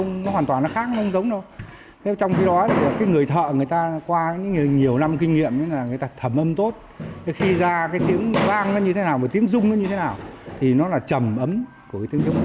nhiệm là người ta thẩm âm tốt khi ra tiếng vang nó như thế nào tiếng rung nó như thế nào thì nó là trầm ấm của cái tiếng trống